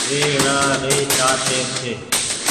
ريڙآ ري چآر ٽير ڇي۔